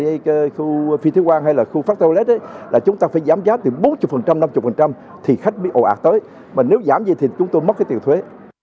để được hoàn thuế